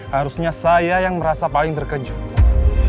harusnya saya yang merasa paling terkejut